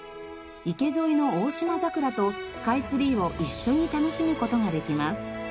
池沿いのオオシマザクラとスカイツリーを一緒に楽しむ事ができます。